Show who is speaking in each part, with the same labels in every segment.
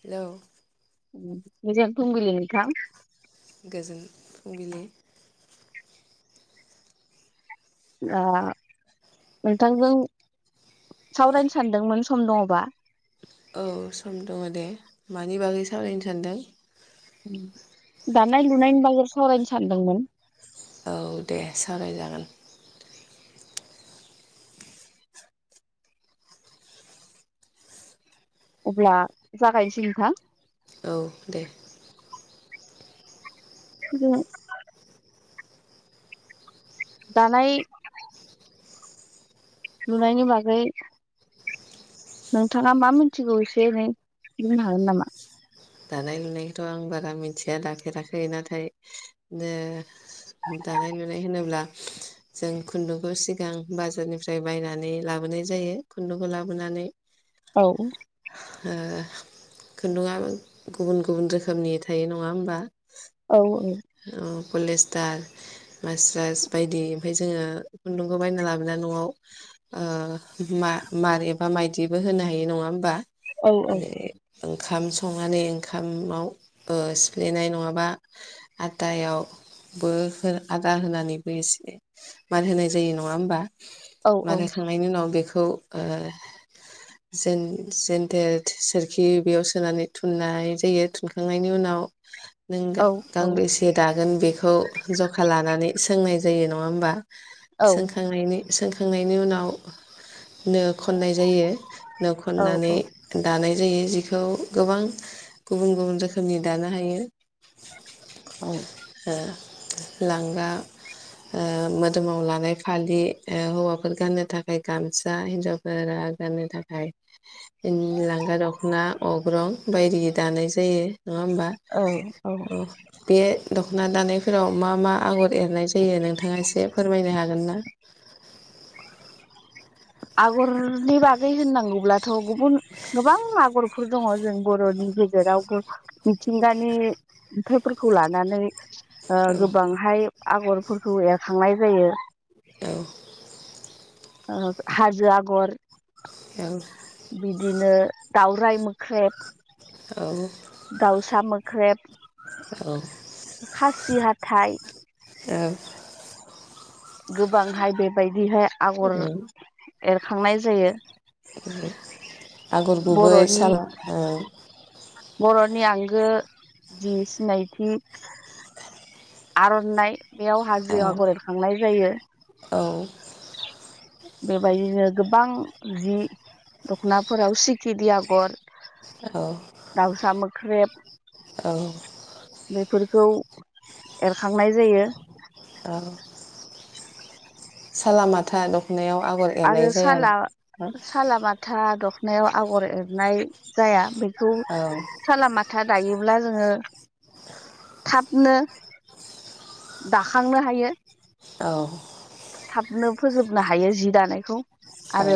Speaker 1: Hello?
Speaker 2: गोजोन फुंबिलि नोंथां।
Speaker 1: गोजोन फुंबिलि।
Speaker 2: आ नोंथांजों सावरायनो सानदोंमोन सम दङबा?
Speaker 1: औ सम दङ दे। मानि बागै सावरायनो सानदों?
Speaker 2: दानाय लुनायनि बागै सावरायनो सानदोंमोन।
Speaker 1: औ दे साबरायजागोन।
Speaker 2: अब्ला जागायनोसै नोंथां।
Speaker 1: औ दे।
Speaker 2: [unintelligible] दानाय लुनायनि बागै नोंथाङा मा मिथिगौ एसे एनै बुंनो हागोन नामा?
Speaker 1: दानाय लुनायखौथ' आं बारा मिथिया दाफेराखै नाथाय दानाय लुनाय होनोब्ला जों खुन्दुंखौ सिगां बाजारनिफ्राय बायनानै लाबोनाय जायो खुन्दुंखौ लाबोनानै
Speaker 2: औ
Speaker 1: खुन्दुआ गुबुन गुबुन रोखोमनि थायो नङा होमबा
Speaker 2: औ औ
Speaker 1: उम पलेस्टार मास्रास बायदि ओमफाय जोङो खुन्दुंखौ बायना लाबोना न'आव ओ मा-मार एबा माइदिबो होनो हायो नङा होमबा?
Speaker 2: औ औ।
Speaker 1: जेरै ओंखाम संनानै ओंखामाव ओ सिफ्लेनाय नङाबा आटायाव बो हो आटा होनानैबो एसे मार होनाय जायो नङा होमबा?
Speaker 2: औ
Speaker 1: बानायखांनायनि उनाव बेखौ ओ जेन-जेनथेर सोरखि बेयाव सोनानै थुननाय जायो थुनखांनायनि उनाव [unintelligible] नों
Speaker 2: औ
Speaker 1: गा-गांब्रैसे दागोन बेखौ ज'खा लानानै सोंनाय जायो नङा होमबा?
Speaker 2: औ
Speaker 1: सोंखांनायनि सोंखांनायनि उनाव नो खननाय जायो। नो
Speaker 2: औ
Speaker 1: खननानै दानाय जायो जिखौ गोबां गुबुन गुबुन रोखोमनि दानो हायो।
Speaker 2: औ
Speaker 1: लांगा ओ मोदोमाव लानाय फालि ओ हौवाफोर गाननो थाखाय गामसा हिनजावफोरा आ गाननो थाखाय [unintelligible] लांगा दख'ना अग्रं बायदि दानाय जायो नङा होमबा
Speaker 2: औ औ
Speaker 1: अ बे दख'ना दानायफोराव मा मा आगर एरनाय जायो नोंथाङा एसे फोरमायनो हागोन ना?
Speaker 2: [inaudible] आगरनि बागै होननांगौब्लाथ' गुबुन गोबां आगरफोर दङ जों बर'नि गेजेर रावखो मिथिंगानि नुथाइफोरखौ लानानै ओ
Speaker 1: औ
Speaker 2: गोबांहाय आगरफोरखौ एरखांनाय जायो।
Speaker 1: औ
Speaker 2: ओ हाजो आगर
Speaker 1: औ
Speaker 2: बिदिनो दावराइ मोख्रेब
Speaker 1: औ
Speaker 2: दाउसा मोख्रेब
Speaker 1: औ
Speaker 2: खासि हाथाइ गोबांहाय बेबायदिहाय आगर
Speaker 1: उम
Speaker 2: एरखांनाय जायो।
Speaker 1: आगर गुबै
Speaker 2: बर'नि
Speaker 1: साम ओ
Speaker 2: नि आंगो जि सिनायथि आर'नाइ बेयाव
Speaker 1: औ
Speaker 2: हाजो आगर एरखांनाय जायो।
Speaker 1: औ
Speaker 2: बेबायदिनो गोबां जि दख'नाफोराव सिखिरि आगर
Speaker 1: औ
Speaker 2: दाउसा मोख्रेब
Speaker 1: औ
Speaker 2: बेफोर खौ एरखांनाय जायो।
Speaker 1: औ सालामाथा दखनायाव आगर एरनाय
Speaker 2: आरो
Speaker 1: जाया औ
Speaker 2: साला
Speaker 1: औ
Speaker 2: सालामाथा द नायाव आगर एरनाय जाया बेखौ सालामाथ था दायोब्ला जोङो थाबनो दाखांनो हायो।
Speaker 1: औ
Speaker 2: नो फोजोबनो हायो जि दानायखौ
Speaker 1: औ
Speaker 2: आरो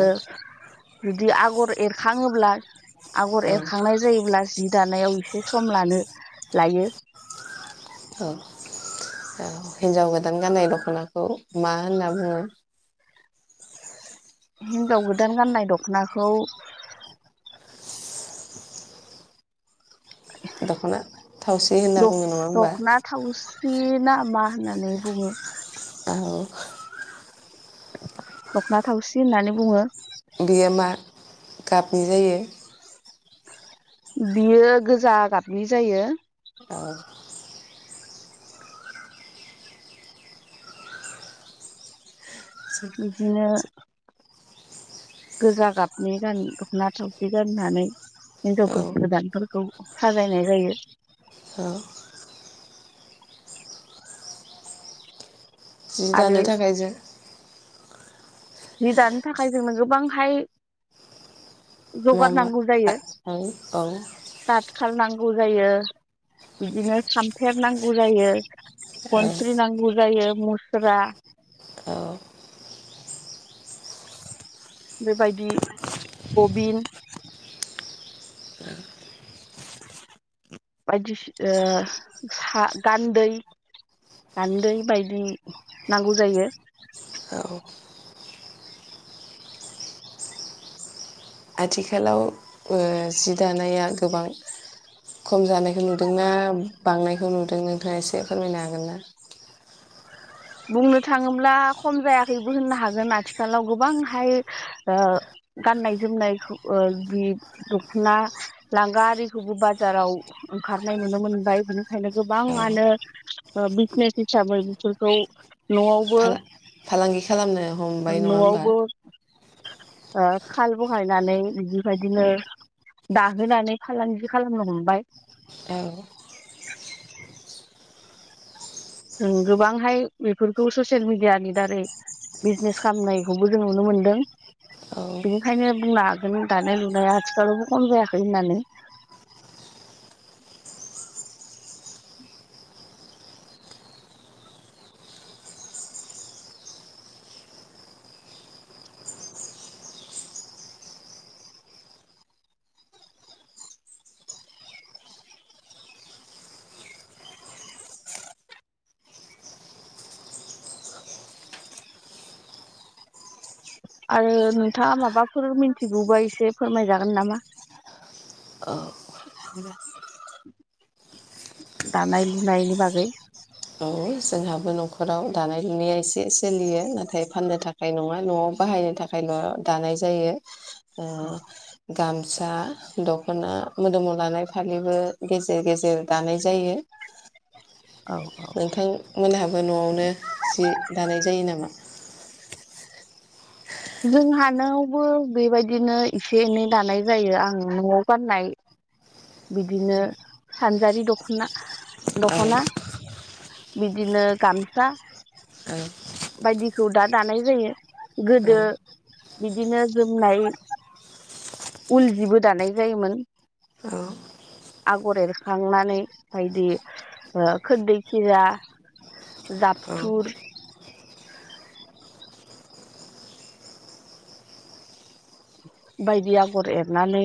Speaker 2: जुदि आगर एरखाङोब्ला आगर
Speaker 1: औ
Speaker 2: एरखांनाय जायोब्ला जिब दानायाव एसे सम लानो लायो।
Speaker 1: औ औ हिन्जाव गोदान गाननाय दख'नाखौ मा होनना बुङो?
Speaker 2: हिनजाव गोदान गाननाय दख'नाखौ
Speaker 1: दख'ना थावसि होनना बुङो नङा होमबा?
Speaker 2: दख'ना [unintelligible] ना मा होननानै बुङो
Speaker 1: औ ।
Speaker 2: दख'ना थावसि होननानै बुङो ।
Speaker 1: बेयो मा गाबनि जायो?
Speaker 2: बियो गोजा गाबनि जायो ।
Speaker 1: औ ।
Speaker 2: बिदिनो गोजा गाबनि गान दख'ना थावसि गाननानै
Speaker 1: औ
Speaker 2: हिनजावफोर गोदानफोरखौ साजायनाय जायो ।
Speaker 1: औ । जि
Speaker 2: आरो
Speaker 1: दानो थाखाय जों
Speaker 2: जि दानो थाखाय जोंनो गोबांहाय
Speaker 1: मा
Speaker 2: जगार
Speaker 1: मा
Speaker 2: नांगौ जायो
Speaker 1: औ औ
Speaker 2: दाथखाल नांगौ गौ जायो बिदिनो थामफेर नांगौ जायो
Speaker 1: औ
Speaker 2: खनस्रि नांगौ जायो मुस्रा बेबायदि गबिन बायदिसिन ओ सा गान्दै गान्दै बायदि नांगौ जायो ।
Speaker 1: औ औ आथिखालाव ओ जि दानाया गोबां खम जानायखौ नुदोंनाा बांनायखौ नुदों नोंथाङा एसे फोरमायनो हागोन ना?
Speaker 2: बुंनो थाङोब्ला खम जायाखैबो होननो हागोन आथिखालाव गोबांहाय ओ गाननाय जोमनायखौ ओ बि दख'ना लांगा आरिखौबो बाजाराव ओंखारनाय नुनो मोनबाय बेनिखायनो
Speaker 1: औ
Speaker 2: गोबाङानो ओ बिजनेस हिसाबै बिसोरखौ नआवबो
Speaker 1: फाला फालांगि खालामनो हमबाय नङा होमबा?
Speaker 2: न'आवबो ओ खाल बहायनानै बेबायदिनो दाहोनानै फालांगि खालामनो हमबाय ।
Speaker 1: औ ।
Speaker 2: ओम गोबांहाय बेफोरखौ ससियेल मिडियानि दारै बिजनेस खालामनायखौबो जों नुनो मोनदों
Speaker 1: औ
Speaker 2: बेनिखायनो बुंनो हागोन दानाय लुनाया आथिखालावबो खम जायाखै होननानै । [inaudible] आरो नोंथाङा माबाफोर मिथिगौबा एसे फोरमायजागोन नामा?
Speaker 1: ओ ।
Speaker 2: दानाय लुनायनि बागै ।
Speaker 1: औ जोंहाबो न'खराव दानाय लुनाया एसे सोलियो नाथाय फाननो थाखाय नङा न'आव बाहायनो थाखाय थाखायल' दानाय जायो ओ गाम गसा, दख'ना, मोदोमाव लानाय फालिबो गेजेर गेजेर दानाय जायो ।
Speaker 2: औ औ ।
Speaker 1: मोनहाबो न'आवनो जि दानाय जायो नामा?
Speaker 2: जोंहानायावबो बेबायदिनो एसे एनै दानाय जायो आं न'आव गाननाय बिदिनो सानजारि दख'ना
Speaker 1: औ
Speaker 2: दख'ना बिदिनो गामसा
Speaker 1: औ
Speaker 2: बायदिखौ दा दानाय जायो
Speaker 1: औ
Speaker 2: गोदो बिदिनो जोमनाय उल जिबो दानाय जायोमोन ।
Speaker 1: औ
Speaker 2: [inaudible] आगर एरखांनानै बायदि ओ खोरदै [unintelligible]
Speaker 1: औ
Speaker 2: जाफथुर । बायदि आगर एरनानै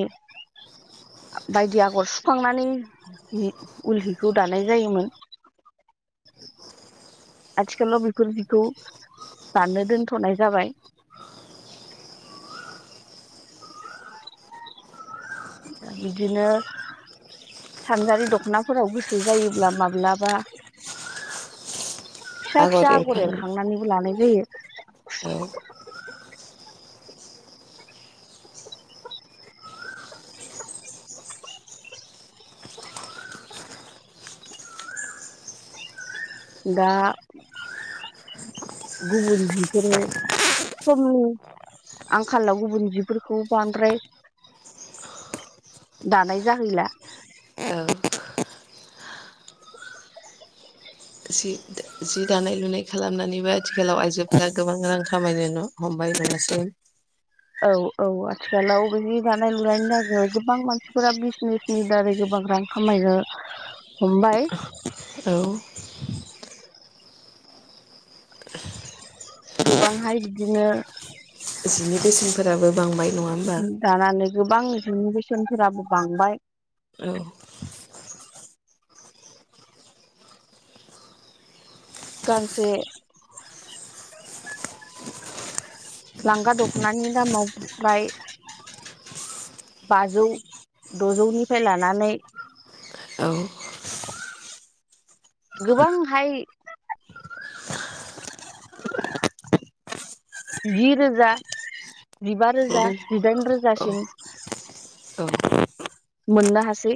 Speaker 2: बायदि आगर सुखांनानै उल हिखौ दानाय जायोमोन [inaudible] [unintelligible] आथिखालाव [inaudible] [unintelligible] बिदिनो सानजारि दख'नाफोराव गोसो जायोब्ला माब्लाबा फिसा फिसा आगर एरखांनानैबो लानाय जायो
Speaker 1: औ
Speaker 2: दा गुबुनफोरो समनि आंखालाव गुबुन जिफोरखौ बांद्राय दानाय जाहैला
Speaker 1: जि जिदानाय लुनाय खालामनानैबो आथिखालाव आइजोफोरा गोबां रां खामायनो ह'मबाय [unintelligible] [inaudible]
Speaker 2: औ औ आथिखालाव बे दानाय लु जाग गोबां मानसिफोरा बिजनेसनि बारै गोबां रां खामायनो हमबाय
Speaker 1: औ
Speaker 2: गोबांहाय बिदिनो
Speaker 1: जिनि बेसेनफोराबो बांबाय नङा होमबा
Speaker 2: दानानै गोबां रोोंनि बेसेनफोराबो बांबाय
Speaker 1: औ
Speaker 2: गांसे लांगा दख'नानि दामाहाय बाजौ द'जौनिफ्राय लानानै
Speaker 1: औ
Speaker 2: गोबांहाय जि रोजा जिबा
Speaker 1: औ
Speaker 2: रोजा जिदाइन
Speaker 1: औ
Speaker 2: रोजासिम
Speaker 1: औ
Speaker 2: मोन्नो हसि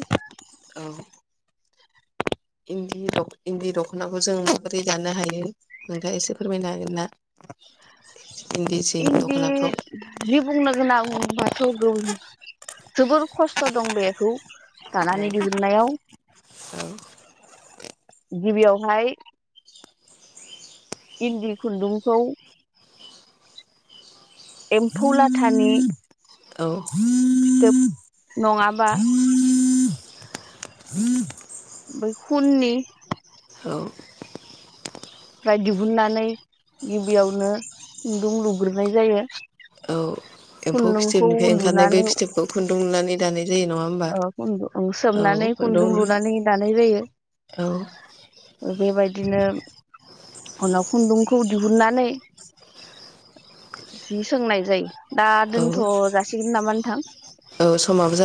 Speaker 1: औ इन्दि इन्दि दख'नाखौ जों माबोरै दानो हायो नोंथाङा एसे फोरमायनो हागोन ना इन्दि जिनि
Speaker 2: इन्दि
Speaker 1: दख'नाखौ
Speaker 2: जि बुंनो गोनां बाथौ गुब [inaudible] जोबोर खसथ'दं बेखौ दानानै दिहुन नायाव
Speaker 1: औ
Speaker 2: गिबियावहाय इन्दि खुन्दुंखौ एम्फौ लाथानि
Speaker 1: औ
Speaker 2: फिथोब नङाबा बै खुन्नि
Speaker 1: औ
Speaker 2: ओमफ्राय दिहुननानै गिबियावनो खुन्दुं लुग्रोनाय जायो [inaudible]
Speaker 1: औ
Speaker 2: [unintelligible]
Speaker 1: एम्फौ
Speaker 2: खुन्दुंखौ लुनानै
Speaker 1: जायो नङा होमबा
Speaker 2: खुन्दुं
Speaker 1: औ
Speaker 2: सोमनानै खुन्दुं
Speaker 1: दौनो
Speaker 2: लुनानै दानाय जायो
Speaker 1: औ
Speaker 2: बेबायदिनो जि सोंनाय जायो दा
Speaker 1: औ
Speaker 2: दोनथ' जासिगोन नामा नोंथां
Speaker 1: औ समाबो